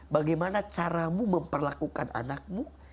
bagaimana caramu memperlakukan anakmu